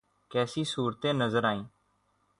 کیسی صورتیں نظر آئیں؟